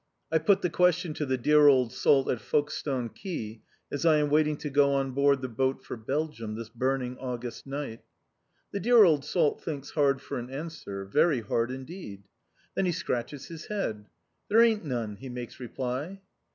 I put the question to the dear old salt at Folkestone quay, as I am waiting to go on board the boat for Belgium, this burning August night. The dear old salt thinks hard for an answer, very hard indeed. Then he scratches his head. "There ain't none!" he makes reply.